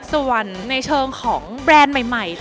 ส่วนในเชิงของแบรนด์ใหม่